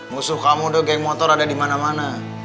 musuh kamu tuh geng motor ada dimana mana